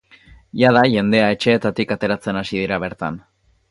Jada jendea etxeetatik ateratzen hasi dira bertan.